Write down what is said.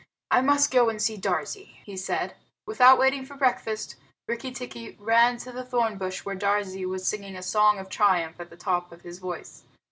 I must go and see Darzee," he said. Without waiting for breakfast, Rikki tikki ran to the thornbush where Darzee was singing a song of triumph at the top of his voice.